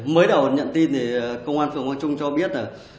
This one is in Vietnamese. mới đầu nhận tin thì công an phường quang trung cho biết là